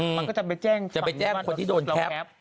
มันก็จะไปแจ้งฝั่งในบ้านสูตรเราแคป